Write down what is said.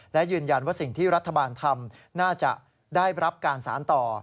และยืนยันว่าสิ่งที่รัฐบาลทำน่าจะได้รับการสารต่อ